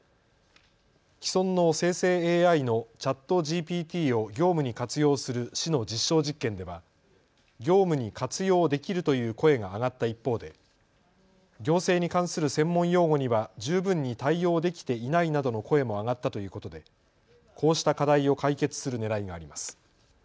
既存の生成ＡＩのＣｈａｔＧＰＴを業務に活用する市の実証実験では業務に活用できるという声が上がった一方で行政に関する専門用語には十分に対応できていないなどの声も上がったということでこうした課題を解決するねらいがあります。